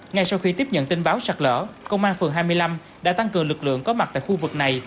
ngay sau khi tiếp nhận tin báo sạt lở công an phường hai mươi năm đã tăng cường lực lượng có mặt tại khu vực này